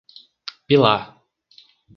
Pilar